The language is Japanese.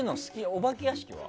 お化け屋敷は？